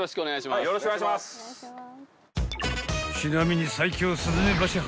［ちなみに］